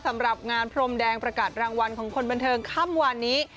สำหรับงานพรมแดงประกาศรางวัลของคนบันเทิงค่ำวานนี้